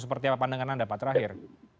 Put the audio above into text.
seperti apa pandangan anda pak terakhir